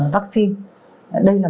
vắc xin đây là